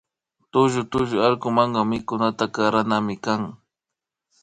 Tullu tullu allkumanka mikunata karanami kan